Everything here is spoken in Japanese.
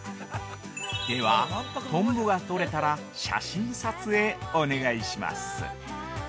では、トンボがとれたら写真撮影、お願いします。